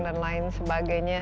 dan lain sebagainya